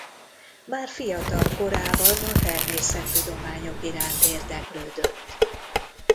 Már fiatal korában a természettudományok iránt érdeklődött.